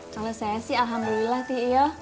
kalau saya sih alhamdulillah teh iyo